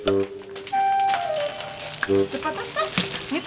mau pada belanja ibu ibu